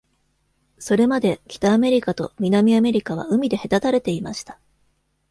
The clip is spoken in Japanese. それまで、北アメリカと南アメリカは海で隔たれていました。